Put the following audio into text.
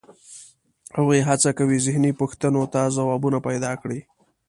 هغوی هڅه کوي ذهني پوښتنو ته ځوابونه پیدا کړي.